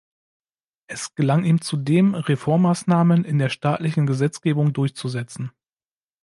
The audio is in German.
Es gelang ihm zudem, Reformmaßnahmen in der staatlichen Gesetzgebung durchzusetzen.